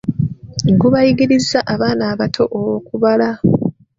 Gubayigiriza abaana abato okubala.